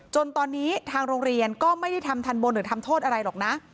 จนตอนนี้ทางโรงเรียนก็ไม่ได้ทำทันบนหรือทำโทษอะไรหรอกนะ